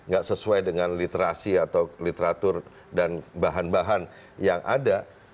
gak sesuai dengan literasi atau literatur dan bahan bahan yang ada